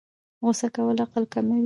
غوسه کول عقل کموي